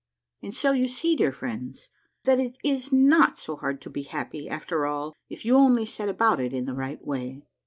And so you see, dear friends, that it is not so hard to be happy after all if you only set about it in the right way.